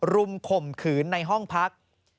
รุมขมขืนในห้องพัก